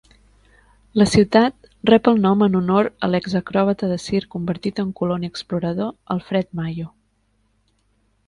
La ciutat rep el nom en honor a l'exacròbata de circ convertit en colon i explorador Alfred Mayo.